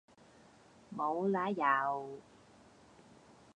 無奶油